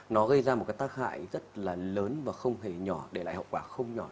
nó gây ra một cái tác hại rất là lớn và không hề nhỏ để lại hậu quả không nhỏ